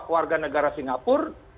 warga negara singapura